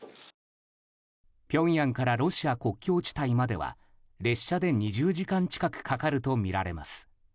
ピョンヤンからロシア国境地帯までは列車で２０時間近くかかるとみられます。